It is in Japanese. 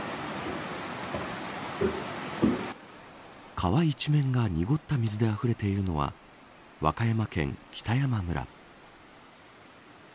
川一面が濁った水であふれているのは和歌山県北山村。